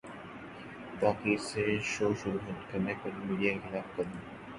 تاخیر سے شو شروع کرنے پر میڈونا کے خلاف مقدمہ